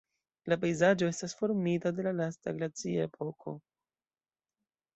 La pejzaĝo estas formita de la lasta glaciepoko.